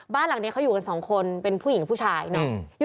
บ้านหลังนี้เขาอยู่กันสองคนเป็นผู้หญิงผู้ชายเนาะ